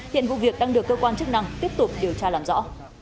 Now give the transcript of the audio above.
hiện vụ việc đang được cơ quan chức năng tiếp tục điều tra làm rõ